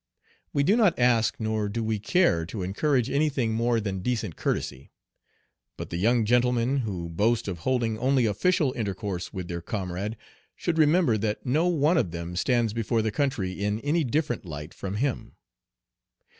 We do not ask nor do we care to encourage any thing more than decent courtesy. But the young gentlemen who boast of holding only official intercourse with their comrade should remember that no one of them stands before the country in any different light from him.